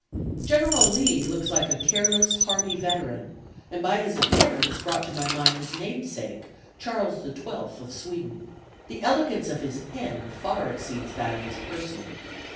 "General Lee looks like a careless, hardy veteran, and by his appearance brought to my mind his namesake, Charles the Twelfth, of Sweden. The elegance of his pen far exceeds that of his person.